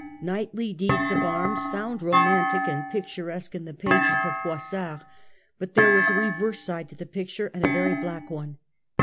Knightly deeds of arms sound romantic and picturesque in the pages of Froissart, but there was a reverse side to the picture and a very black one.